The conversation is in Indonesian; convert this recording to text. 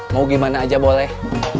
mau gimana aja boleh